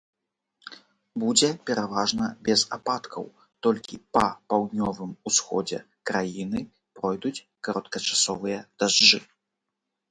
Будзе пераважна без ападкаў, толькі па паўднёвым усходзе краіны пройдуць кароткачасовыя дажджы.